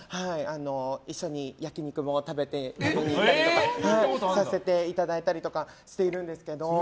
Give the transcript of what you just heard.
一緒に焼き肉も食べに行ったりとかさせていただいたりとかしてるんですけど。